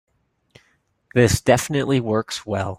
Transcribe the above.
This definitely works well.